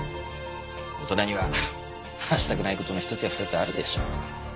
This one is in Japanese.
大人には話したくない事の１つや２つあるでしょう。